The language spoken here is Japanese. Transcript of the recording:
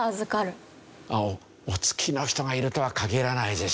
お付きの人がいるとは限らないでしょ。